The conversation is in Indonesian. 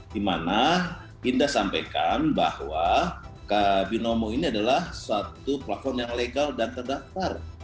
dimana indra sampaikan bahwa binomo ini adalah suatu platform yang legal dan terdaftar